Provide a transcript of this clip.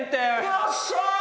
よっしゃ！